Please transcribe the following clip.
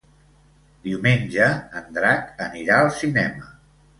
Diumenge en Drac anirà al cinema.